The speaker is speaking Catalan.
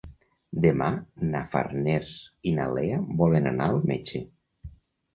Demà na Farners i na Lea volen anar al metge.